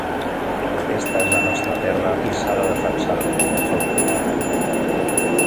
Aquesta és la nostra terra i s’ha de defensar, sol cridar.